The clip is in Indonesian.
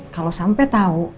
kalau sampai tahu